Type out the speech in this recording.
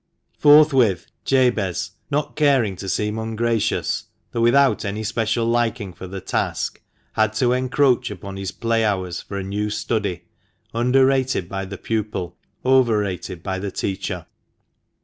Forthwith Jabez, not caring to seem ungracious, though without any special liking for the task, had to encroach upon his play hours for a new study, under rated by the pupil, over rated by the teacher.